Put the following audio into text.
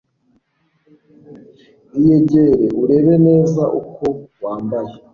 iyegere urebe neza uko wambaye